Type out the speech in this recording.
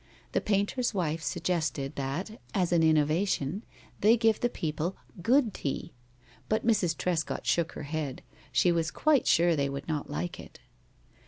The painter's wife suggested that, as an innovation, they give the people good tea; but Mrs. Trescott shook her head; she was quite sure they would not like it.